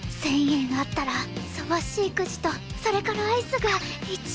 １０００円あったらそばっしーくじとそれからアイスが１２。